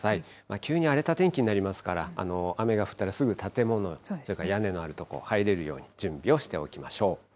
急に荒れた天気になりますから、雨が降ったらすぐ建物とか、屋根のある所に入れるように準備をしておきましょう。